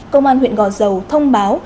công an huyện gò dầu thông báo